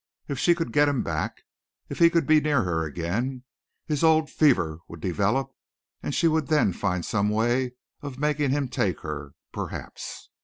If she could get him back, if he could be near her again, his old fever would develop and she would then find some way of making him take her, perhaps.